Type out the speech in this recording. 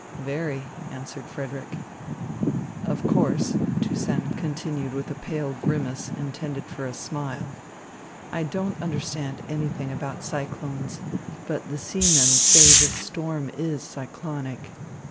"Very," answered Frederick. "Of course," Toussaint continued with a pale grimace intended for a smile, "I don't understand anything about cyclones, but the seamen say this storm is cyclonic."